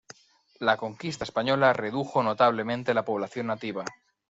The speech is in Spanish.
La conquista española redujo notablemente la población nativa.